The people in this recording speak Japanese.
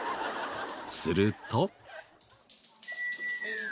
すると。